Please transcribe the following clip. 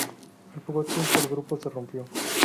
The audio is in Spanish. Al poco tiempo el grupo se rompió.